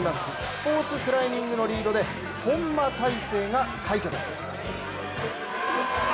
スポーツクライミングのリードで本間大晴が快挙です。